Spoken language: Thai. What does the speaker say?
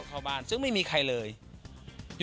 เข้าบ้านซึ่งไม่มีใครเลย